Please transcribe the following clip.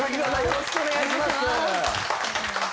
よろしくお願いします。